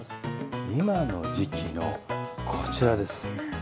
今の時期の、こちらです。